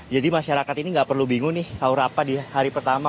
jadi masyarakat ini tidak perlu bingung nih sahur apa di hari pertama